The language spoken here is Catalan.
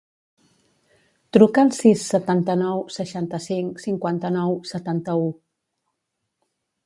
Truca al sis, setanta-nou, seixanta-cinc, cinquanta-nou, setanta-u.